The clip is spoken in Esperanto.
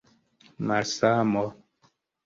malsamo